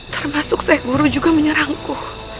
termasuk saikuru juga menyerangku